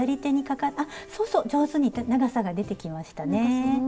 あっそうそう上手に長さが出てきましたね。